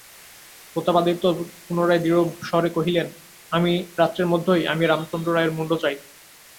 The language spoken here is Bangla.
প্রতাপাদিত্য পুনরায় দৃঢ়স্বরে কহিলেন, আজ রাত্রের মধ্যেই আমি রামচন্দ্র রায়ের মুণ্ড চাই।